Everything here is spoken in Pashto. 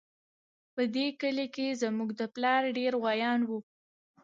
په دې کلي کې زموږ د پلار ډېر غويان وو